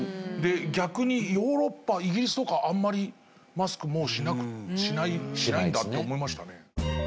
で逆にヨーロッパイギリスとかあんまりマスクもうしないんだって思いましたね。